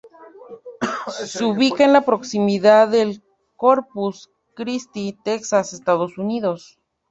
Se ubica en la proximidad de Corpus Christi, Texas, Estados Unidos.